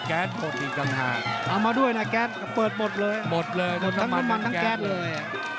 แก๊สเอามาด้วยน่ะแก๊สเปิดหมดเลยหมดเลยหมดทั้งน้ำมันทั้งแก๊สเลย